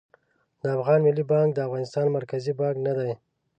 د افغان ملي بانک د افغانستان مرکزي بانک نه دي